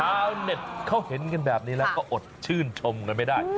ชาวเน็ตเขาเห็นกันแบบนี้แล้วก็อดชื่นชมกันไม่ได้